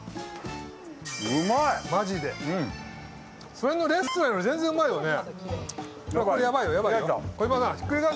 普通のレストランより全然うまいよね。